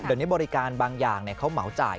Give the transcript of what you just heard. เดี๋ยวนี้บริการบางอย่างเขาเหมาจ่าย